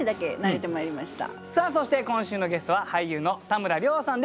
さあそして今週のゲストは俳優の田村亮さんです。